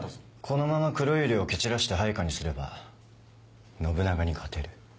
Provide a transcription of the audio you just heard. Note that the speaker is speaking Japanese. このまま黒百合を蹴散らして配下にすれば信長に勝てる。